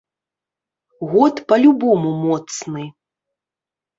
Год па любому моцны.